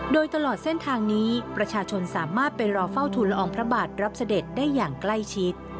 โดยตลอดเส้นทางนี้ประชาชนสามารถไปรอเฝ้าทุนละอองพระบาทรับเสด็จได้อย่างใกล้ชิด